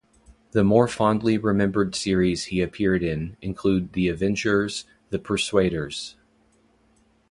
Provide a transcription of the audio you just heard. The more fondly-remembered series he appeared in include "The Avengers", "The Persuaders!